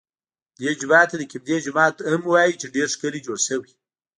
دې جومات ته د قبلې جومات هم وایي چې ډېر ښکلی جوړ شوی.